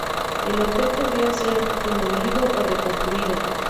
El hotel podría ser demolido o reconstruido.